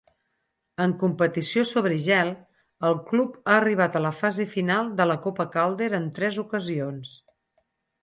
En competició sobre gel, el club ha arribat a la fase final de la Copa Calder en tres ocasions.